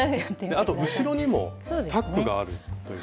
あと後ろにもタックがあるという。